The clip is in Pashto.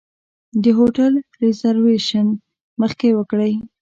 د هوټل ریزرویشن مخکې وکړئ.